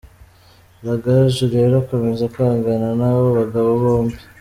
Rugaju rero akomeza kwangana n’abo bagabo bombi.